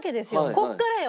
ここからよ。